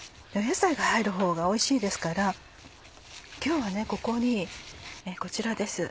野菜が入るほうがおいしいですから今日はここにこちらです。